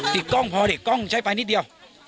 ติดกล้องพอเดี๋ยวใช้ไฟนิดเดียว